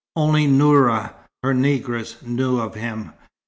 Only Noura, her negress, knew of him.